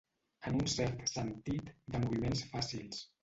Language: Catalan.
En un cert sentit, de moviments fàcils.